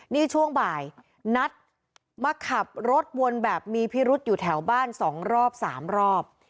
นี่ช่วงบ่ายนัดมาขับรถวนแบบมีพิรุษอยู่แถวบ้าน๒รอบ๓รอบ